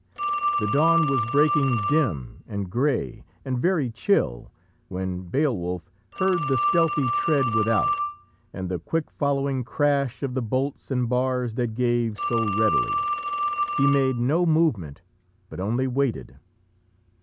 The dawn was breaking dim and grey and very chill when Beowulf heard the stealthy tread without, and the quick following crash of the bolts and bars that gave so readily. He made no movement, but only waited.